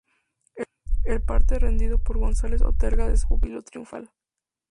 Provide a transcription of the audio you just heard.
El parte rendido por González Ortega desborda júbilo triunfal.